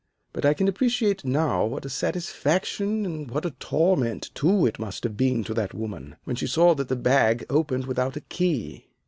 But I can appreciate now what a satisfaction, and what a torment too, it must have been to that woman when she saw that the bag opened without a key.